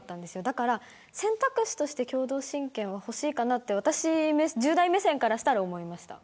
だから選択肢として共同親権はほしいかなと１０代目線からしたら思いました。